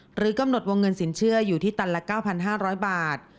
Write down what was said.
หรือกำหนดวงเงินสินเชื่ออยู่ที่ตันละ๙๕๐๐บาท